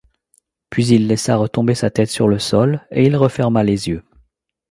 Puis il laissa retomber sa tête sur le sol, et il referma les yeux.